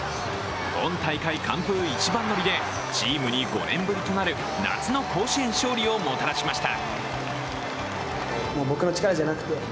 今大会完封一番乗りでチームに５年ぶりとなる夏の甲子園勝利をもたらしました。